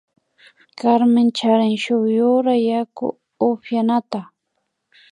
Carmen charin shuk yura yaku upyanata